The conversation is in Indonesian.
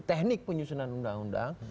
teknik penyusunan undang undang